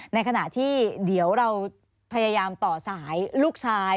ในขณะที่เดี๋ยวเราพยายามต่อสายลูกชาย